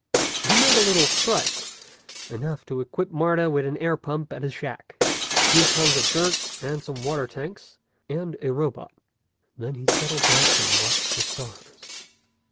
He made a little strike, enough to equip Martha with an air pump and a shack, a few tons of dirt and some water tanks, and a robot. Then he settled back and watched the stars.